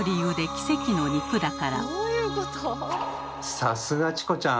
さすがチコちゃん！